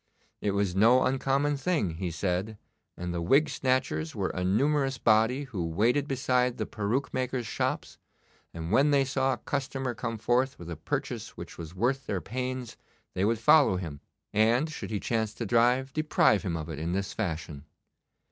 It was no uncommon thing, he said, and the wig snatchers were a numerous body who waited beside the peruke maker's shops, and when they saw a customer come forth with a purchase which was worth their pains they would follow him, and, should he chance to drive, deprive him of it in this fashion.